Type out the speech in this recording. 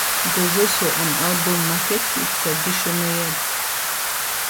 There is also an outdoor market with traditional yurts.